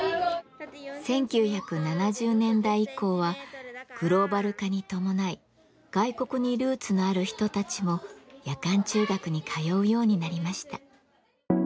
１９７０年代以降はグローバル化に伴い外国にルーツのある人たちも夜間中学に通うようになりました。